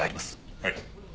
はい。